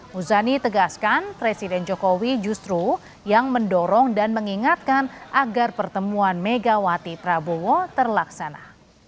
muzani tegaskan presiden jokowi justru yang mendorong dan mengingatkan agar pertemuan megawati prabowo terlaksana